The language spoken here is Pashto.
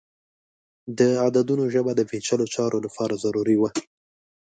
د عددونو ژبه د پیچلو چارو لپاره ضروری وه.